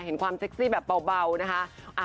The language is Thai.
เห็นความเซ็กซี่แบบเบานะคะ